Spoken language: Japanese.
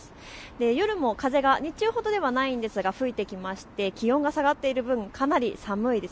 夜も風が日中ほどではないんですが吹いてきまして、気温が下がっている分、かなり寒いです。